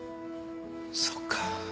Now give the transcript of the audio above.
そっか。